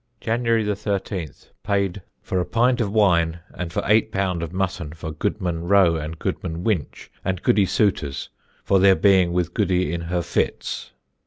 January ye 13 pd for a pint of wine and for eight pound of mutton for Good[man] Row and Good[man] Winch and Goody Sutors for their being with Goody in her fitts 3_s.